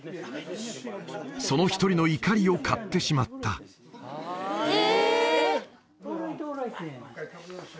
その一人の怒りを買ってしまったえ！